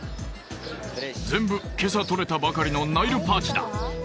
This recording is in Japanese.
・全部今朝にとれたばかりのナイルパーチだ